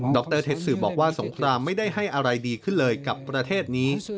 รเท็จสืบบอกว่าสงครามไม่ได้ให้อะไรดีขึ้นเลยกับประเทศนี้